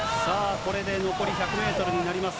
これで残り１００メートルになります。